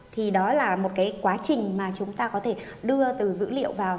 thì đó là một cái quá trình mà chúng ta có thể đưa từ dữ liệu vào